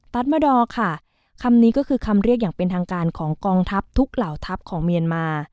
มาดอร์ค่ะคำนี้ก็คือคำเรียกอย่างเป็นทางการของกองทัพทุกเหล่าทัพของเมียนมา